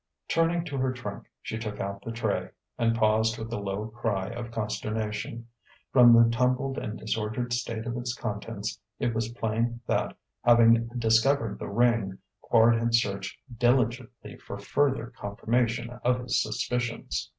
Turning to her trunk, she took out the tray and paused with a low cry of consternation. From the tumbled and disordered state of its contents, it was plain that, having discovered the ring, Quard had searched diligently for further confirmation of his suspicions.